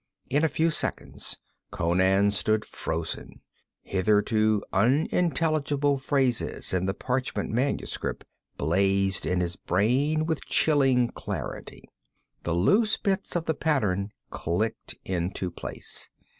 In the few seconds Conan stood frozen, hitherto unintelligible phrases in the parchment manuscript blazed in his brain with chilling clarity. The loose bits of the pattern clicked into place.